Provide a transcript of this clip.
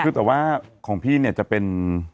คือแต่ว่าของพี่เนี่ยจะเป็น